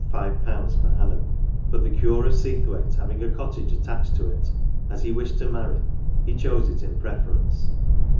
five pounds per annum : but the cure of Seathwaite having a cottage attached to it, as he wished to marry, he chose it in preference.